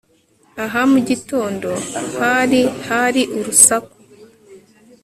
Aha mugitondo hari hari urusak